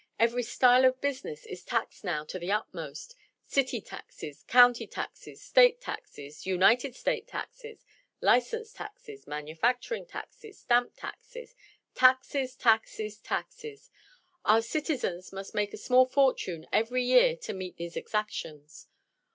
Every style of business is taxed now to the utmost. City taxes, county taxes, State taxes, United States taxes, license taxes, manufacturing taxes, stamp taxes, taxes! taxes! taxes! Our citizens must make a small fortune every year to meet these exactions.